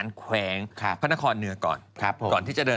แล้วมาถึงแกก็พอแล้ว